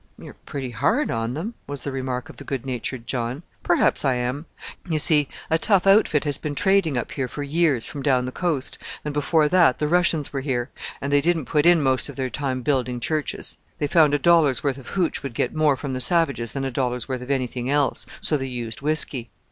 "You're pretty hard on them," was the remark of the good natured John. "Perhaps I am. You see, a tough outfit has been trading up here for years from down the coast; and before that the Russians were here and they didn't put in most of their time building churches. They found a dollar's worth of hootch would get more from the savages than a dollar's worth of anything else; so they used whisky.